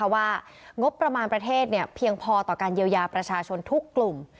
ว่างบประมาณประเทศเพียงพอต่อการเยียวยาประชาชนทุกกลุ่ม